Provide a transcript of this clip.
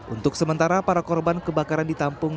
untuk sementara para korban kebakaran ditampung